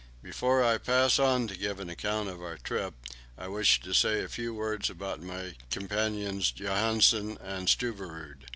Before I pass on to give an account of our trip, I wish to say a few words about my companions Johansen and Stubberud.